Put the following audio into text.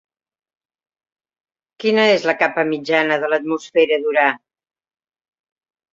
Quina és la capa mitjana de l'atmosfera d'Urà?